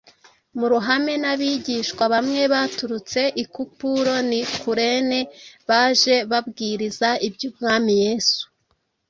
mu ruhame n’abigishwa bamwe baturutse i Kupuro n’i Kurene baje babwiriza iby’Umwami Yesu.